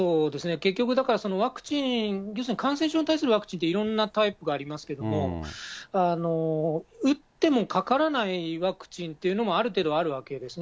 結局だから、ワクチン、要するに感染症に対するワクチンっていろんなタイプがありますけれども、打ってもかからないワクチンっていうのもある程度あるわけですね。